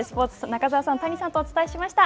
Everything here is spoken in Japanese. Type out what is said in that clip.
中澤さん、谷さんとお伝えしました。